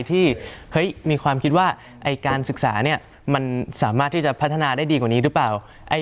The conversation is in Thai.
ที่มีความคิดว่าการศึกษาเนี่ยมันสามารถที่จะพัฒนาได้ดีกว่านี้หรือเปล่า